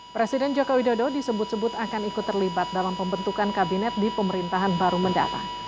presiden jokowi dodo disebut sebut akan ikut terlibat dalam pembentukan kabinet di pemerintahan baru mendatang